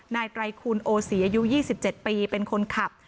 ไตรคุณโอศีอายุ๒๗ปีเป็นคนขับ